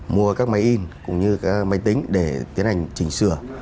mua các máy in cũng như các máy tính để tiến hành chỉnh sửa